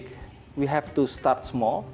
kita harus mulai kecil